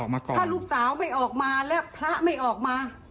ถ้าลูกสาวไม่ออกมาแล้วพระไม่ออกมา